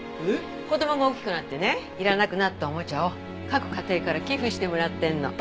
子供が大きくなってねいらなくなったおもちゃを各家庭から寄付してもらってるの。